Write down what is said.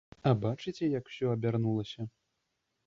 А бачыце, як усё абярнулася.